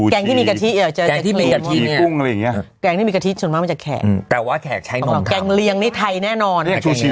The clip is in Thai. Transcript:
แกงที่มีกะทิแกงที่มีกะทิส่วนมากมาจากแขกแกงเลียงในไทยแน่นอน